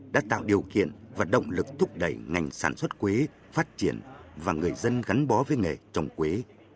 đã tạo điều kiện và động lực thúc đẩy ngành sản xuất quế phát triển và người dân gắn bó với nghề trồng quế